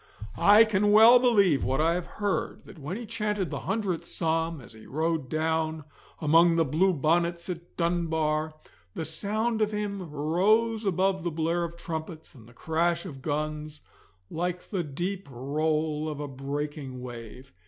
I can well believe what I have heard, that when he chanted the Hundredth Psalm as he rode down among the blue bonnets at Dunbar, the sound of him rose above the blare of trumpets and the crash of guns, like the deep roll of a breaking wave.